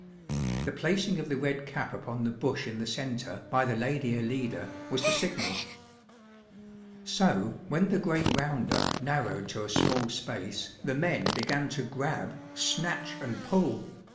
The placing of the red cap upon the bush in the centre, by the lady Alida, was the signal. So, when the great round up narrowed to a small space, the men began to grab, snatch and pull.